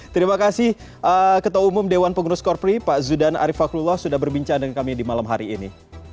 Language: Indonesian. terima kasih ketua umum dewan pengurus korpri pak zudan arief faklullah sudah berbincang dengan kami di malam hari ini